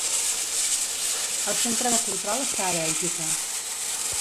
El centre de control està a Bèlgica.